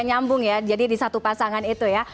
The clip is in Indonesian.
nyambung ya jadi di satu pasangan itu ya